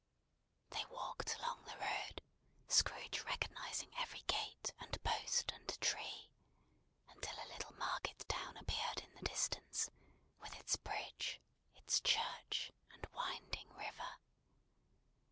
They walked along the road, Scrooge recognising every gate, and post, and tree; until a little market town appeared in the distance, with its bridge, its church, and winding river.